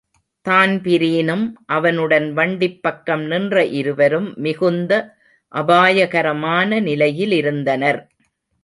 தான்பிரீனும் அவனுடன் வண்டிப் பக்கம் நின்ற இருவரும் மிகுந்த அபாயகரமான நிலையிலிருந்தனர்.